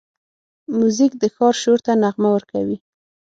موزیک د ښار شور ته نغمه ورکوي.